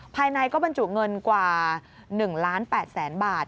ภายในก็บรรจุเงินกว่า๑ล้าน๘แสนบาท